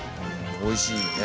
おいしいよね。